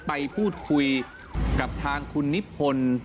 ไปพูดคุยกับทางคุณนิพนธ์